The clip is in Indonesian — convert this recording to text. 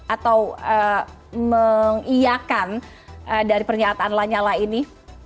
atau mengiakan dari pernyataan lanyala ini